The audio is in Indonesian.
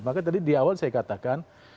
maka tadi di awal saya katakan